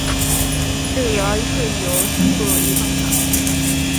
偶尔会有不一般的。